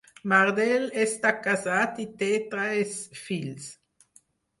Mardell està casat i té tres fills.